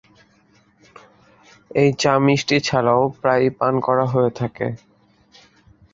এই চা মিষ্টি ছাড়াও প্রায়ই পান করা হয়ে থাকে।